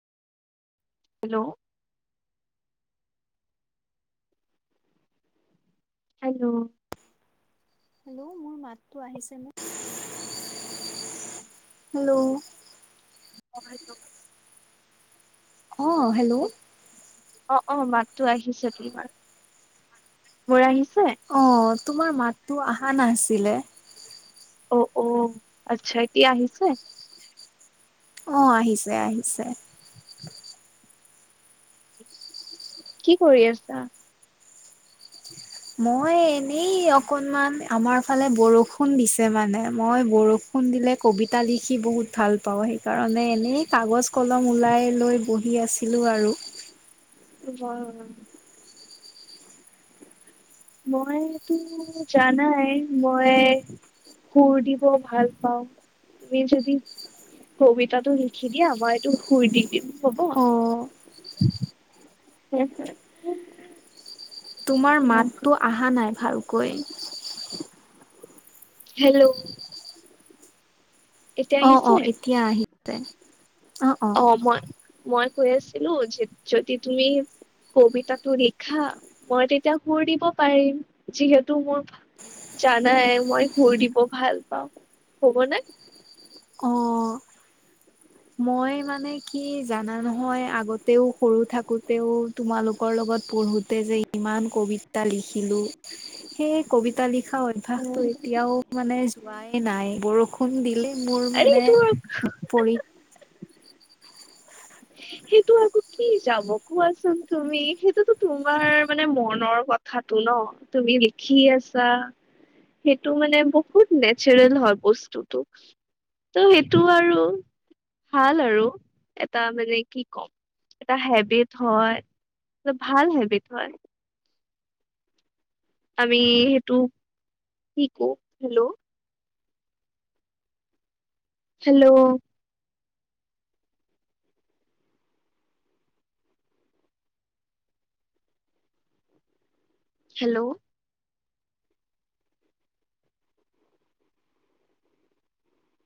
Hello. Hello. Hello মোৰ মাতটো আহিছে নে? হেল্ল'। [unintelligible] অঁ', -হেল্ল'। অঁ', -অঁ', -মাতটো আহিছে তোমাৰ, মোৰ আহিছে? অঁ', -তোমাৰ মাতটো অহা নাছিলে। অ', -অ', আচ্ছা'। এতিয়া আহিছে? অঁ', -আহিছে-আহিছে। কি কৰি আছা? মই এনেই অকণমান আমাৰফালে বৰষুণ দিছে মানে মই বৰষুণ- বৰষুণ দিলে কবিতা লিখি বহুত ভাল পাওঁ সেইকাৰণে এনেই- কাগজ-কলম ওলাই লৈ বহি আছিলোঁ আৰু। [unintelligible] মইতো জানাই মই- সুৰ দিব ভাল পাওঁ, তুমি যদি- কবিতাটো লিখি দিয়া মইটো শুই দি দিম হ'ব। অ [unintelligible] তোমাৰ মাতটো আহা নাই ভালকৈ। হেল্ল'। এতিয়া অঁ', আহিছে -অঁ', এতিয়া আহিছে। অ অ অঁ', মই-মই কৈ আছিলো যে যদি তুমি- কবিতাটো লিখা মই তেতিয়া সুৰ দিব পাৰিম, যিহেতু মোৰ- জানাই মই সুৰ দিব ভাল পাওঁ, হ'ব নে। অ মই মানে কি জানা নহয় আগতেও সৰু থাকোতেও- তোমালোকৰ লগত পঢ়োঁতে যে ইমান কবিতা লিখিলোঁ। সেই কবিতা লিখা অভ্যাসটো এতিয়াও মানে যোৱাই নাই, বৰষুণ- বৰষুণ দিলে মোৰ আৰে এইটো মানে [unintelligible] সেইটো আকৌ কি যাব কোৱাচোন তুমি সেইটোতো তোমাৰ মানে মনৰ কথাটো ন'। তুমি লিখি আছা। সেইটো মানে বহুত নেচাৰেল হয় বস্তুটো তো। ত' সেইটো আৰু ভাল আৰু। এটা মানে কি কম এটা হেবিট হয়, মানে ভাল হেবিট হয়। আমি সেইটো কি কও, হেল্ল'। হেল্ল'। হেল্ল'।